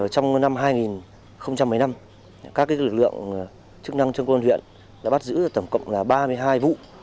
trong năm hai nghìn một mươi năm các lực lượng chức năng trong quân huyện đã bắt giữ tổng cộng ba mươi hai vụ